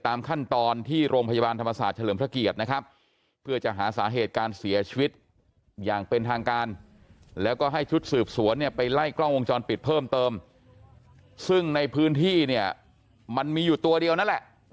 ตามขั้นตอนที่โรงพยาบาลธรรมศาสตร์เฉลิมทช